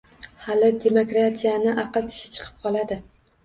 — Hali, demokratiyani... aql tishi chiqib qoladi.